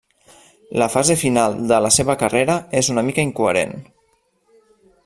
La fase final de la seva carrera és una mica incoherent.